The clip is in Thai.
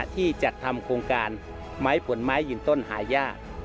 ที่จัดทำโครงการไม้ผลไม้ยืนต้นหายาก